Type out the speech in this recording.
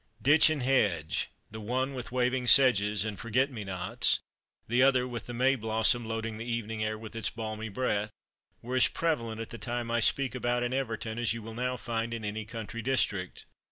Ditch and hedge the one with waving sedges and "Forget me nots" the other with the May blossom loading the evening air with its balmy breath were as prevalent, at the time I speak about, in Everton, as you will now find in any country district.